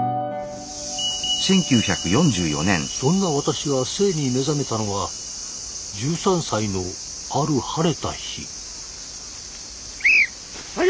そんな私が性に目覚めたのは１３歳のある晴れた日。